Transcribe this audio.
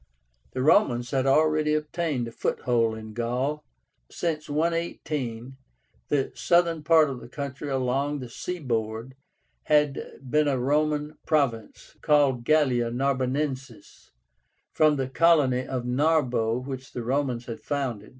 The Romans had already obtained a foothold in Gaul. Since 118, the southern part of the country along the seaboard had been a Roman province, called GALLIA NARBONENSIS, from the colony of Narbo which the Romans had founded.